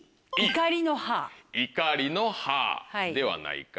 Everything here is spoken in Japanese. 怒りの「はぁ」ではないか。